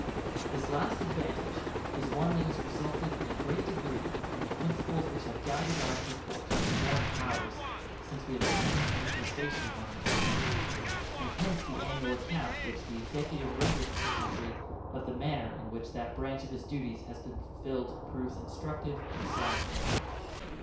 This last advantage is one that has resulted in a great degree from the principles which have guided our intercourse with foreign powers since we have assumed an equal station among them, and hence the annual account which the Executive renders to the country of the manner in which that branch of his duties has been fulfilled proves instructive and salutary.